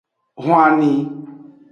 Hwanni.